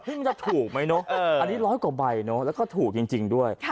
มันจะถูกไหมเนอะอันนี้ร้อยกว่าใบเนอะแล้วก็ถูกจริงด้วย